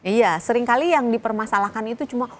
iya seringkali yang dipermasalahkan itu cuma